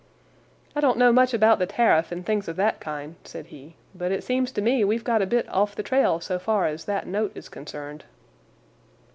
"I don't know much about the tariff and things of that kind," said he, "but it seems to me we've got a bit off the trail so far as that note is concerned."